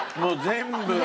全部。